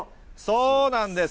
そうなんです。